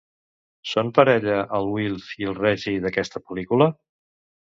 Són parella el Wilf i el Reggie d'aquesta pel·lícula?